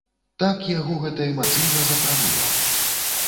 Так яго гэта эмацыйна закранула!